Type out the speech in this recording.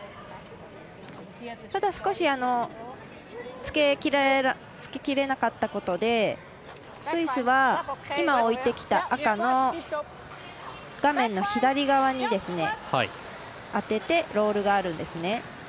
ただ少しつけきれなかったことでスイスは今、置いてきた赤の画面の左側に当てて、ロールがあるんですね。